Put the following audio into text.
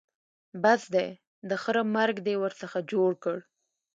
بس دی؛ د خره مرګ دې ورڅخه جوړ کړ.